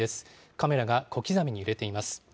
カメラが小刻みに揺れています。